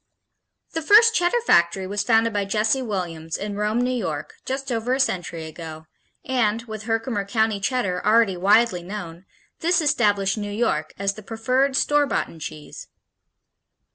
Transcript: The first Cheddar factory was founded by Jesse Williams in Rome, New York, just over a century ago and, with Herkimer County Cheddar already widely known, this established "New York" as the preferred "store boughten" cheese.